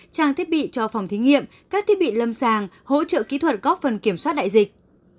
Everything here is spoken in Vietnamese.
trang thiết bị cho phòng thí nghiệm các thiết bị lâm sàng hỗ trợ kỹ thuật góp phần kiểm soát đại dịch